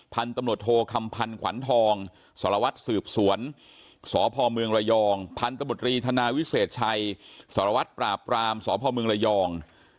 พันตำรวจโทษคำพันศ์ขวัญทองสวสืบสวนสพระยองพันตำรวจรีธนาวิเศษชัยสพระยอง